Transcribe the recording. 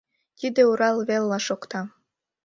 — Тиде Урал велла шокта.